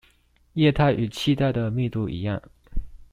液態與氣態的密度一樣